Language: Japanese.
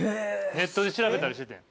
ネットで調べたりしててん。